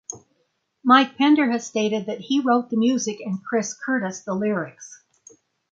Mike Pender has stated that he wrote the music and Chris Curtis the lyrics.